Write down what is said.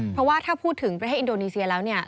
เพราะว่าถ้าพูดถึงประเทศอินโดนีเซียแล้วเนี่ย